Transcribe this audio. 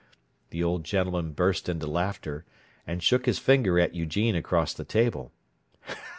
The old gentleman burst into laughter, and shook his finger at Eugene across the table.